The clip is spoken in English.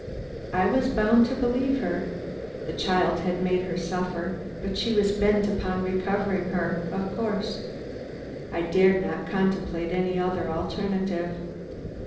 I was bound to believe her. The child had made her suffer, but she was bent upon recovering her of course. I dared not contemplate any other alternative.